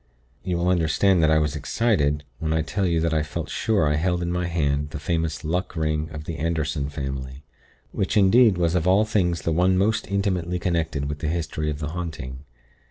"You will understand that I was excited, when I tell you that I felt sure I held in my hand the famous Luck Ring of the Anderson family; which, indeed, was of all things the one most intimately connected with the history of the haunting.